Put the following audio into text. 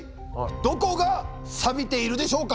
どこがサビているでしょうか。